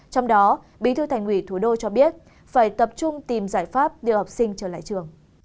trong đó bí thư thành ủy thủ đô cho biết phải tập trung tìm giải pháp đưa học sinh trở lại trường